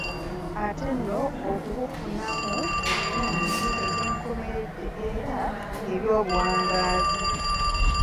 Ate n'okubufunamu ebirungi eby'enkomeredde era eby'obuwangaazi.